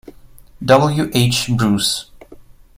W. H. Bruce.